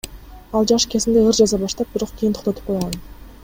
Ал жаш кезинде ыр жаза баштап, бирок кийин токтотуп койгон.